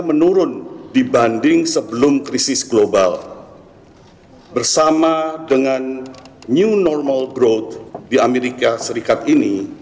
menurun dibanding sebelum krisis global bersama dengan new normal growth di amerika serikat ini